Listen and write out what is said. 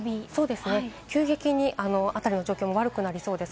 急激に辺りの状況が悪くなりそうです。